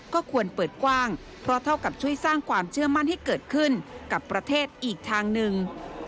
ก็ควรเปิดกว้างเพราะเท่ากับช่วยสร้างความเชื่อมั่นให้เกิดขึ้นกับประเทศอีกทางหนึ่ง